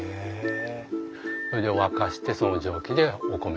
それで沸かしてその蒸気でお米を蒸すと。